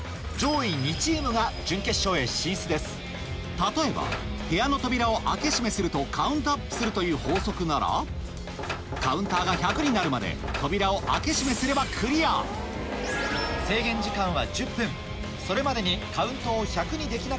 例えば部屋の扉を開け閉めするとカウントアップするという法則ならカウンターが１００になるまで扉を開け閉めすればクリアそういうことなんですよ。